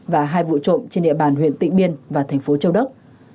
và hai vụ trộm trên địa bàn huyện tịnh biên và thành phố châu đốc